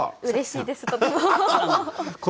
うれしいです。